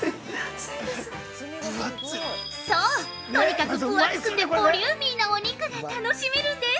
◆そう、とにかく分厚くてボリューミーなお肉が楽しめるんです！